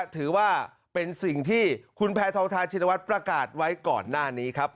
ถือว่าเป็นสิ่งที่คุณแพทองทานชินวัฒน์ประกาศไว้ก่อนหน้านี้ครับ